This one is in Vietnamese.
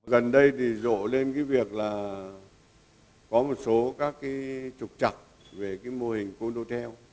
gần đây thì rổ lên cái việc là có một số các cái trục trặc về cái mô hình cototel